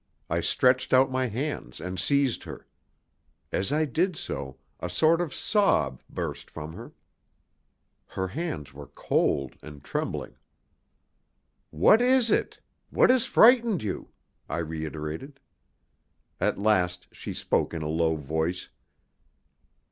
I stretched out my hands and seized her. As I did so, a sort of sob burst from her. Her hands were cold and trembling. "What is it? What has frightened you?" I reiterated. At last she spoke in a low voice.